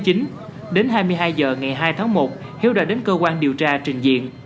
tại năm một nghìn chín trăm bảy mươi chín đến hai mươi hai h ngày hai tháng một hiếu đã đến cơ quan điều tra trình diện